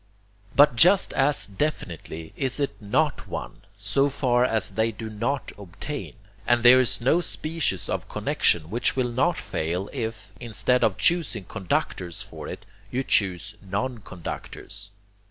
But just as definitely is it NOT one, so far as they do not obtain; and there is no species of connexion which will not fail, if, instead of choosing conductors for it, you choose non conductors.